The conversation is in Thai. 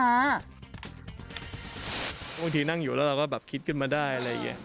บางทีนั่งอยู่แล้วเราก็แบบคิดขึ้นมาได้อะไรอย่างนี้